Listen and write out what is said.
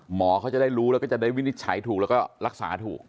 หมอเขาจะได้รู้แล้วก็จะได้วินิจฉัยถูกแล้วก็รักษาถูก